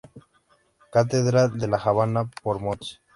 Catedral de La Habana por Mons.